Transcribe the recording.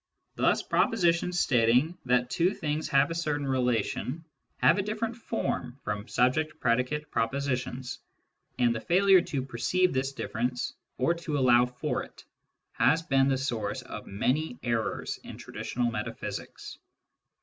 Thus propositions stating that two things have a certain relation have a different form from subject pre dicate propositions, and the failure to perceive this difference or to allow for it has been the source of many errors in traditional metaphysics.